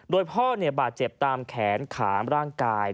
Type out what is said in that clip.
โดยพ่อบาดเจ็บตามแขนขามร่างกาย